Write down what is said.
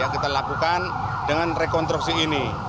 kita lakukan dengan rekonstruksi ini